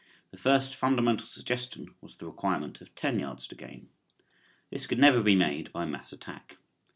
The first fundamental suggestion was the requirement of ten yards to gain. This could never be made by mass attack.